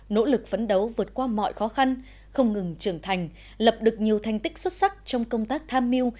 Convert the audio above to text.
nỗ lực phấn đấu vượt qua mọi khó khăn không ngừng trưởng thành lập được nhiều thành tích xuất sắc trong công tác tham mưu